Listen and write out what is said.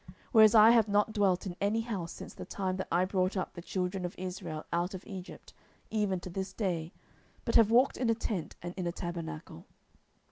10:007:006 Whereas I have not dwelt in any house since the time that I brought up the children of Israel out of Egypt, even to this day, but have walked in a tent and in a tabernacle.